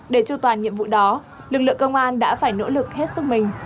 để tru toàn nhiệm vụ đó lực lượng công an đã phải nỗ lực hết sức mình